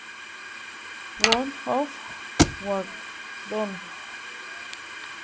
Wong of Guangdong".